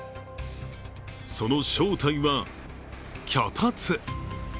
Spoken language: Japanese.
その正体は、脚立。